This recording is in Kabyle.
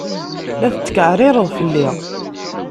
La tetkeɛrireḍ fell-i?